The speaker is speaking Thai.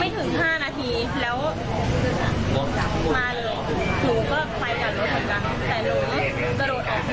ไม่ถึง๕นาทีแล้วมาเลยหนูก็ไปกับรถกัน